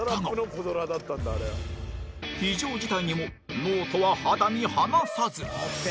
非常事態にもノートは肌身離さず。